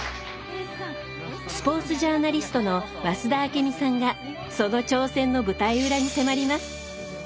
スポーツジャーナリストの増田明美さんがその挑戦の舞台裏に迫ります。